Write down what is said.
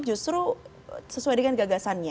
justru sesuai dengan gagasan